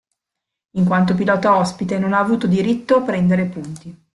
In quanto pilota ospite, non ha avuto diritto a prendere punti.